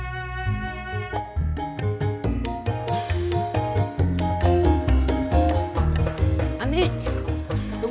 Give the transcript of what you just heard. jalannya cepat amat